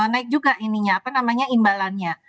naik juga ininya apa namanya imbalannya